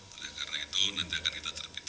karena itu nanti akan kita terbit